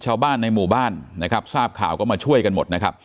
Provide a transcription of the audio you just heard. เช้าบ้านในหมู่บ้านทราบข่าวก็มาช่วยกันหมด